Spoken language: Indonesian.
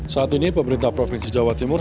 saat ini pemerintah provinsi jawa timur